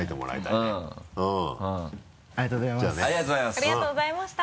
ありがとうございます。